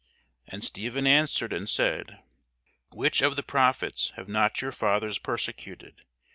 And Stephen answered and said, Which of the prophets have not your fathers persecuted?